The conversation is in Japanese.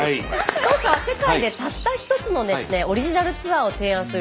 当社は世界でたった一つのですねオリジナルツアーを提案する